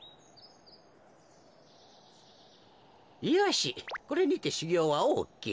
よしこれにてしゅぎょうはオーケー。